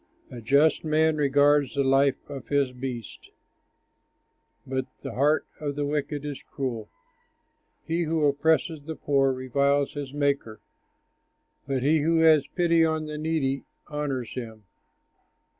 A just man regards the life of his beast, But the heart of the wicked is cruel. He who oppresses the poor reviles his Maker, But he who has pity on the needy honors him.